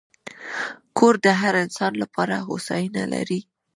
کور د هر انسان لپاره هوساینه لري.